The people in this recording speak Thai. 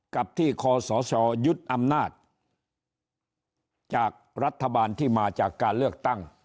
กับที่คศยึดอำนาจจากรัฐบาลที่มาจากการเลือกตั้ง